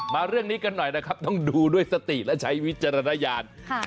เรื่องนี้กันหน่อยนะครับต้องดูด้วยสติและใช้วิจารณญาณ